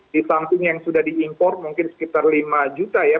di samping yang sudah diimpor mungkin sekitar lima juta ya